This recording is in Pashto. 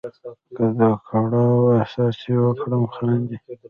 که د کړاو احساس وکړم خاندې.